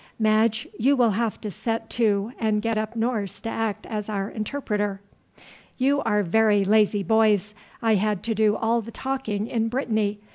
Madge, you will have to set to and get up Norse to act as our interpreter." "You are very lazy boys. I had to do all the talking in Brittany.